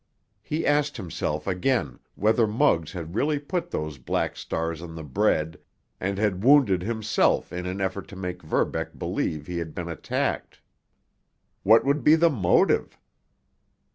He asked himself again whether Muggs had really put those black stars on the bread and had wounded himself in an effort to make Verbeck believe he had been attacked. What would be the motive?